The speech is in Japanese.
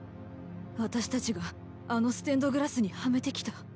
私たちがあのステンドグラスにはめてきた。